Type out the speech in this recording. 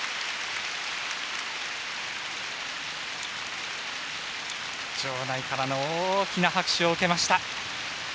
場内からの大きな拍手を受けました。